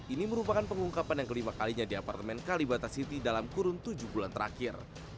ini merupakan pengungkapan yang kelima kalinya di apartemen kalibata city dalam kurun tujuh bulan terakhir